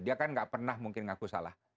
dia kan gak pernah mungkin ngaku salah